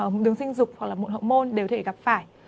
mụn đường sinh dục hoặc là mụn hộm môn đều thể gặp phải